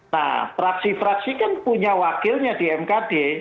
nah fraksi fraksi kan punya wakilnya di mkd